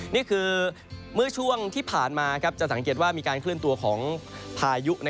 นี่คือเมื่อช่วงที่ผ่านมาจะสังเกตว่ามีการเคลื่อนตัวของพายุ